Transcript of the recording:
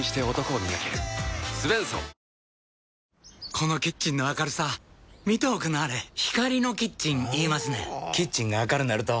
このキッチンの明るさ見ておくんなはれ光のキッチン言いますねんほぉキッチンが明るなると・・・